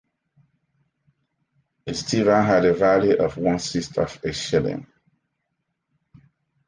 A stiver had a value of one sixth of a shilling.